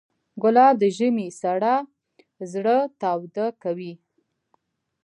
ګلاب د ژمي سړه زړه تاوده کوي.